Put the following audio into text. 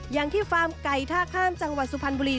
ที่ฟาร์มไก่ท่าข้ามจังหวัดสุพรรณบุรี